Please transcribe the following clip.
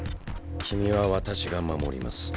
君は私が守ります。